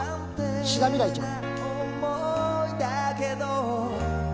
志田未来ちゃん。